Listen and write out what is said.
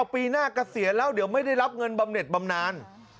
ปีหน้าเกษียณแล้วเดี๋ยวไม่ได้รับเงินบำเน็ตบำนาน